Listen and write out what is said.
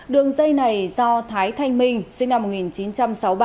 đường dây này do thái thanh minh sinh năm một nghìn chín trăm sáu mươi ba